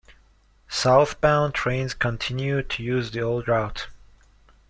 Southbound trains continued to use the old route.